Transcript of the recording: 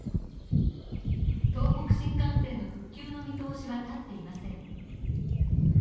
東北新幹線の復旧の見通しは立っていません。